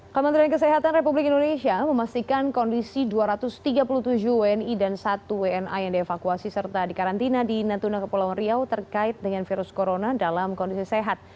kementerian kesehatan republik indonesia memastikan kondisi dua ratus tiga puluh tujuh wni dan satu wna yang dievakuasi serta dikarantina di natuna kepulauan riau terkait dengan virus corona dalam kondisi sehat